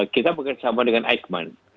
kita bukan sama dengan eichmann